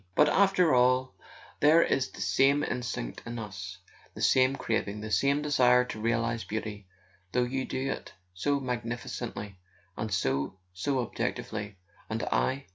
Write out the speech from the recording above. But after all there is the same instinct in us, the same craving, the same desire to realize Beauty, though you do it so magnificently and so—so objectively, and I